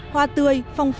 hoa tươi phong phú